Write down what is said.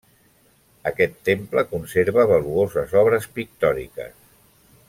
Aquest temple conserva valuoses obres pictòriques.